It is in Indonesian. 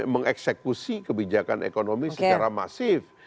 mengeksekusi kebijakan ekonomi secara masif